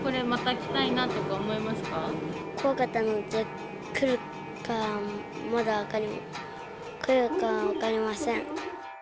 これ、怖かったので、来るかまだ、来るか分かりません。